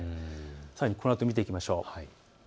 さらにこのあと見ていきましょう。